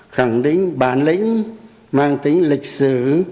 khẳng định bản lĩnh mang tính lịch sử